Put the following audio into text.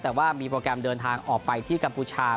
แต่ว่ามีโปรแกรมเดินทางออกไปที่กัมพูชา